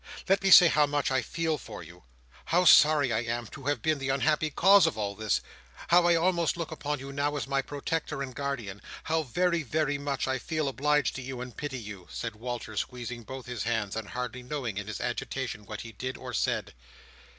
Let me say how much I feel for you! How sorry I am, to have been the unhappy cause of all this! How I almost look upon you now as my protector and guardian! How very, very much, I feel obliged to you and pity you!" said Walter, squeezing both his hands, and hardly knowing, in his agitation, what he did or said.